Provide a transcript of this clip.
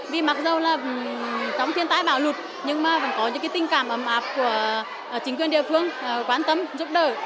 trong thiên tài bảo lục nhưng mà vẫn có những tình cảm ấm áp của chính quyền địa phương quan tâm giúp đỡ